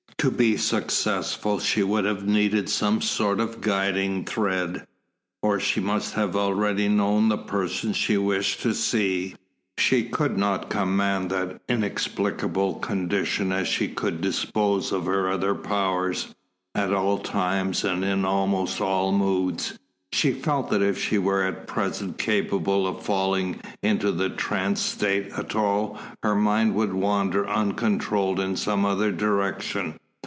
To be successful she would have needed some sort of guiding thread, or she must have already known the person she wished to see. She could not command that inexplicable condition as she could dispose of her other powers, at all times and in almost all moods. She felt that if she were at present capable of falling into the trance state at all, her mind would wander uncontrolled in some other direction.